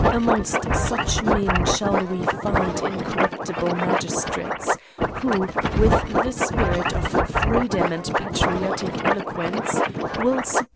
Amongst such men shall we find incorruptible magistrates, who, with the spirit of freedom and patriotic eloquence, will sup GRIMES AND PUNISHMENTS.